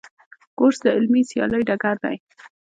کورس د علمي سیالۍ ډګر دی.